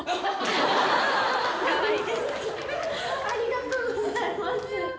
ありがとうございます！